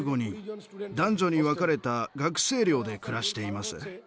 男女に分かれた学生寮で暮らしています。